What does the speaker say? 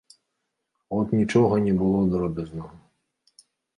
От нічога не было дробязнага.